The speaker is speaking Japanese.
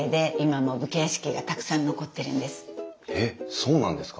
えっそうなんですか？